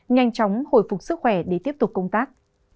nhanh chóng hồi phục sức khỏe để tiếp tục công tác